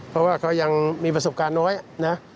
เพราะว่าเขายังมีประสบการณ์น้อยนะ